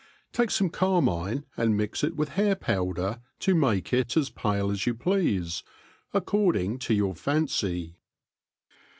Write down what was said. TAKE fame carmine, and mix it with haiir povvder to .make it as pale as you pleafe, according to your fancy.